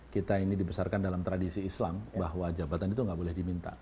kita ini dibesarkan dalam tradisi islam bahwa jabatan itu nggak boleh diminta